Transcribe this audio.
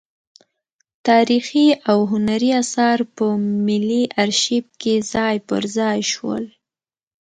تاریخي او هنري اثار په ملي ارشیف کې ځای پر ځای شول.